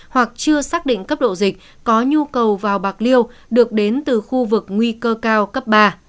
hoặc chưa xác định cấp độ dịch có nhu cầu vào bạc liêu được đến từ khu vực nguy cơ cao cấp ba